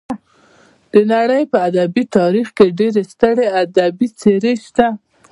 د نړۍ په ادبي تاریخ کې ډېرې سترې ادبي څېرې شته.